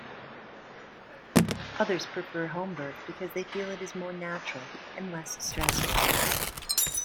Others prefer home birth because they feel it is more natural and less stressful.